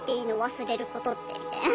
忘れることってみたいな。